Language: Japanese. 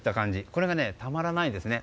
これがね、たまらないですね。